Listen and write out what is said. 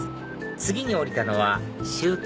次に降りたのは終点